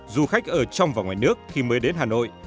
du khách ở trong và ngoài nước khi mới đến hà nội